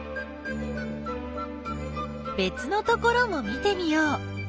べつのところも見てみよう。